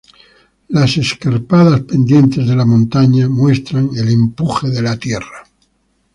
Las escarpadas pendientes de las montañas muestran el empuje de la tierra.